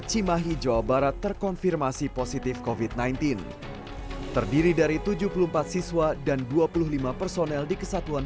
cimahi jawa barat terkonfirmasi positif kofit sembilan belas terdiri dari tujuh puluh empat siswa dan dua puluh lima personel di kesatuan